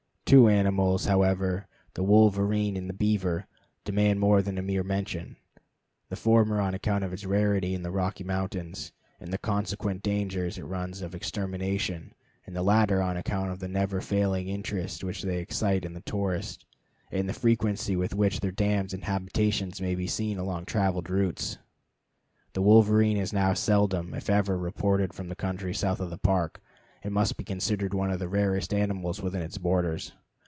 Two animals, however, the wolverene and the beaver, demand more than mere mention: the former on account of its rarity in the Rocky Mountains, and the consequent danger it runs of extermination, and the latter on account of the never failing interest which they excite in the tourist, and the frequency with which their dams and habitations may be seen along the traveled routes. The wolverene is now seldom, if ever, reported from the country south of the Park, and must be considered one of the rarest of animals within its borders.